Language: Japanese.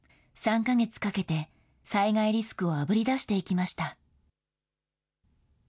３か月かけて災害リスクをあぶり出していきました。